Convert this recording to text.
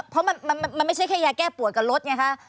เพราะมันไม่ใช่แค่ยาแก้ปวดกับรถไงคะ